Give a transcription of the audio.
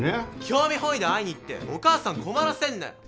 興味本位で会いに行ってお母さん困らせんなよ。